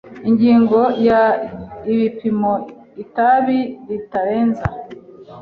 Ingingo ya Ibipimo itabi ritarenza